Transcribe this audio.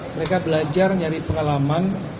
mereka belajar nyari pengalaman